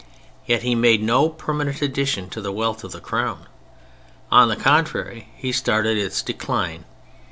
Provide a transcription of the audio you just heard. Yet he made no permanent addition to the wealth of the Crown. On the contrary, he started its decline.